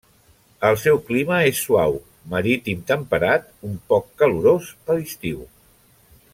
El seu clima és suau, marítim temperat un poc calorós a l'estiu.